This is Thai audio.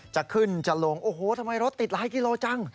จะขึ้นจะลงโอ้โหทำไมรถติดหลายกิโลจัง